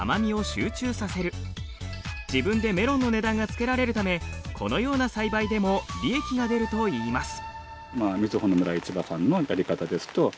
自分でメロンの値段がつけられるためこのような栽培でも利益が出るといいます。